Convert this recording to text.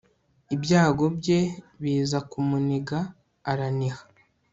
ibyago bye biza kumuniga araniha